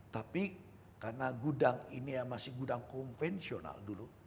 tapi karena gudang ini masih gudang konvensional dulu